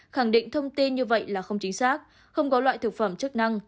khẳng định thông tin như vậy là không chính xác không có loại thực phẩm chức năng